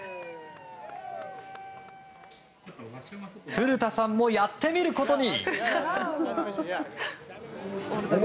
古田さんもやってみることに。